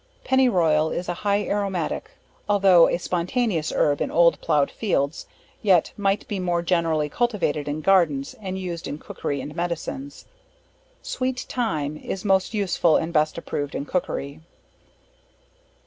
Penny Royal, is a high aromatic, altho' a spontaneous herb in old ploughed fields, yet might be more generally cultivated in gardens, and used in cookery and medicines. Sweet Thyme, is most useful and best approved in cookery.